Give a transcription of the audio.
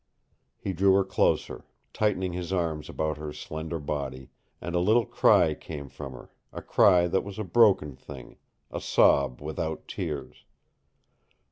He drew her closer, tightening his arms about her slender body, and a little cry came from her a cry that was a broken thing, a sob without tears.